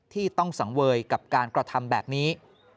ที่ต้องสังเวยกับการกระทำแบบนี้